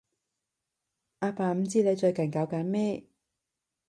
阿爸唔知你最近搞緊咩